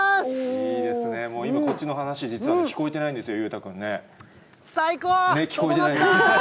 いいですね、もう今、こっちの話、実は聞こえてないんですよ、さいこー！